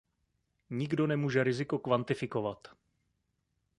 Nikdo nemůže riziko kvantifikovat.